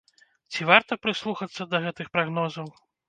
Ці варта прыслухацца да гэтых прагнозаў?